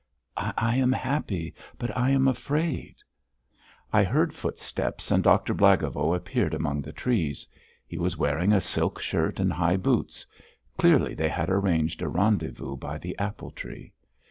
I am happy, but I am afraid." I heard footsteps and Doctor Blagovo appeared among the trees. He was wearing a silk shirt and high boots. Clearly they had arranged a rendezvous by the apple tree.